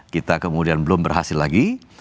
kita kemudian belum berhasil lagi